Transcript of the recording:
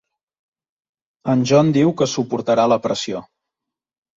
En Jon diu que suportarà la pressió.